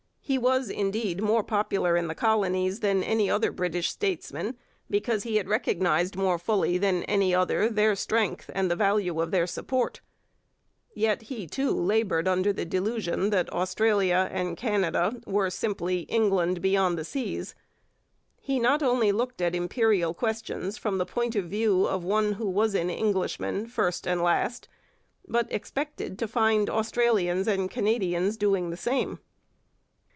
He was, indeed, more popular in the colonies than any other British statesman, because he had recognized more fully than any other their strength and the value of their support. Yet he, too, laboured under the delusion that Australia and Canada were simply England beyond the seas. He not only looked at imperial questions from the point of view of one who was an Englishman first and last, but expected to find Australians and Canadians doing the same.